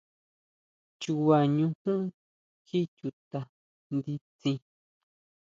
Chuba ñujún jí chuta nditsin.